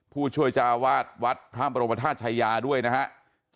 ผู้ช่วยเจ้าวาดวัดพระบรมธาตุชายาด้วยนะครับ